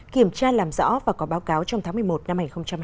kiểm tra làm rõ và có báo cáo trong tháng một mươi một năm hai nghìn hai mươi